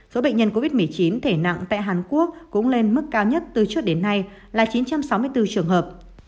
số bệnh nhân covid một mươi chín thể nặng tại hàn quốc cũng lên mức cao nhất từ trước đến nay là chín trăm sáu mươi bốn trường hợp